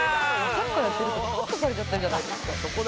「サッカーやってるとこカットされちゃったじゃないですか」